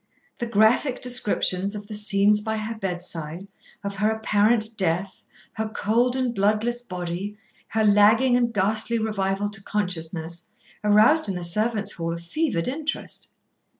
The graphic descriptions of the scenes by her bedside, of her apparent death, her cold and bloodless body, her lagging and ghastly revival to consciousness, aroused in the servants' hall a fevered interest.